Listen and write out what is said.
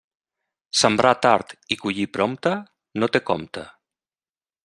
Sembrar tard i collir prompte, no té compte.